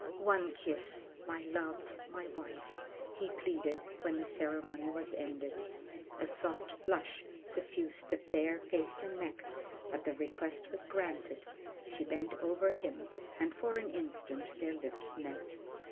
"One kiss, my love, my wife!" he pleaded when the ceremony was ended. A soft blush suffused the fair face and neck, but the request was granted; she bent over him and for an instant their lips met.